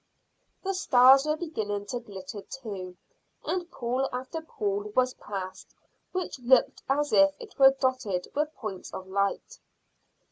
The stars were beginning to glitter too, and pool after pool was passed which looked as if it were dotted with points of light.